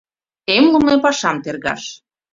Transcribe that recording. Эмлыме пашам тергаш.